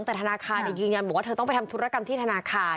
แต่ธนาคารยืนยันบอกว่าเธอต้องไปทำธุรกรรมที่ธนาคาร